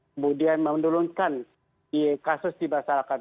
kemudian menurunkan kasus di masyarakat